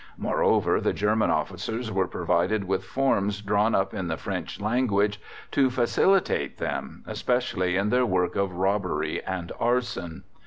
Moreover, the German officers were provided with forms drawn up in the French language to facilitate them, especially in their work of robbery and arson.